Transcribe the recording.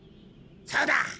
そうだ！